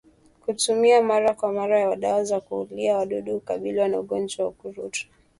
Kutumia mara kwa mara ya dawa za kuulia wadudu hukabiliana na ugonjwa wa ukurutu